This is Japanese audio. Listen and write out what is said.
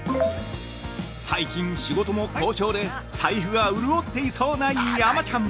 ◆最近、仕事も好調で財布が潤っていそうな山ちゃん。